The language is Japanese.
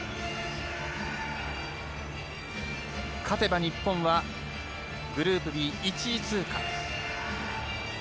勝てば日本はグループＢ１位通過。